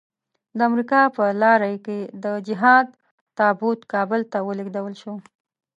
د امريکا په لارۍ کې د جهاد تابوت کابل ته ولېږدول شو.